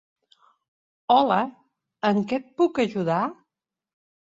Hola, en què et puc ajudar?